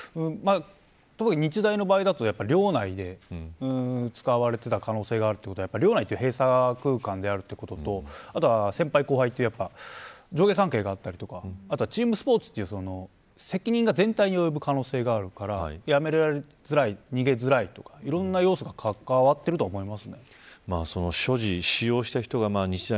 特に日大の場合だと寮内で使われていた可能性もあるということで寮内は閉鎖空間ということと先輩、後輩という上下関係があったりとかチームスポーツという責任が全体に及ぶ可能性があるからやめづらい、逃げづらいとかいろいろな要素が関わっていると思います。